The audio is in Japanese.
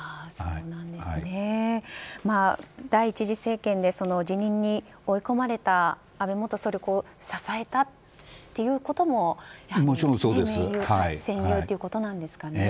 第１次政権で辞任に追い込まれた安倍元総理を支えたということも戦友ということなんですかね。